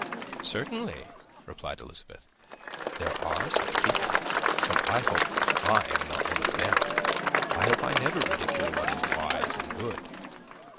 "Certainly," replied Elizabeth, "there are such people, but I hope I am not one of them. I hope I never ridicule what is wise or good.